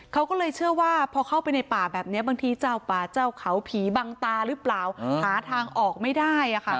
เขาก็เลยเชื่อว่าพอเข้าไปในป่าแบบนี้บางทีเจ้าป่าเจ้าเขาผีบังตาหรือเปล่าหาทางออกไม่ได้